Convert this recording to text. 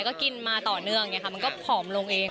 ก็กินมาต่อเนื่องมันก็ผอมลงเอง